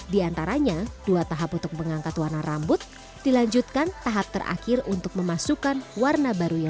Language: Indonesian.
di antaranya dua tahap untuk mengangkat warna rambut dilanjutkan tahap terakhir untuk memasukkan warna baru yang